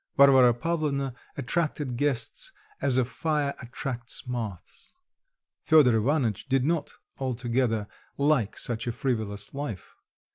Varvara Pavlovna attracted guests as a fire attracts moths. Fedor Ivanitch did not altogether like such a frivolous life.